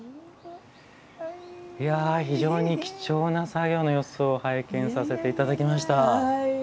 非常に貴重な作業の様子を拝見させていただきました。